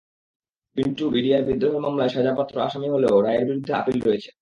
Pintu BDR বিদ্রোহ মামলায় সাজাপ্রাপ্ত আসামি হলেও রায়ের বিরুদ্ধে আপিল রয়েছে।